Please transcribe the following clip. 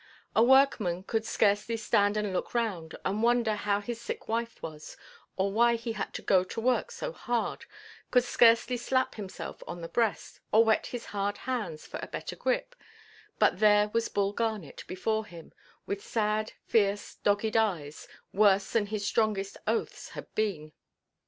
A workman could scarcely stand and look round, and wonder how his sick wife was, or why he had got to work so hard, could scarcely slap himself on the breast, or wet his hard hands for a better grip, but there was Bull Garnet before him, with sad, fierce, dogged eyes, worse than his strongest oaths had been.